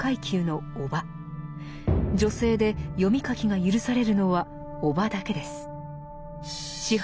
女性で読み書きが許されるのは小母だけです。